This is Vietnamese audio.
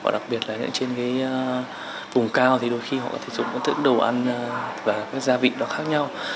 đặc biệt là trên cái vùng cao thì đôi khi họ có thể dùng các thứ đồ ăn và các gia vị đó khác nhau